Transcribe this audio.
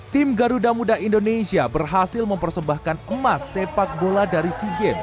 tim garuda muda indonesia berhasil mempersembahkan emas sepak bola dari sea games